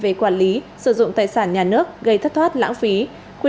về quản lý sử dụng tài sản nhà nước gây thất thoát lãng phí